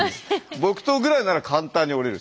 木刀ぐらいなら簡単に折れるんです。